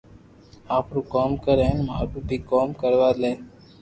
آپرو ڪوم ڪر ھين مارو بي ڪوم ڪرو لي